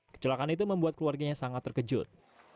kecelakaan itu membuat keluarganya sangat terkejut